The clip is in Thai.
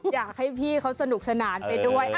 อยากให้พี่เขาสนุกสนานไปด้วย